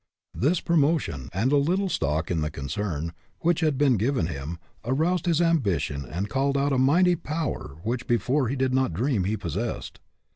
This promotion, and a little stock in the concern, which had been given him, aroused his ambition and called out a mighty power which before he did not dream that he possessed.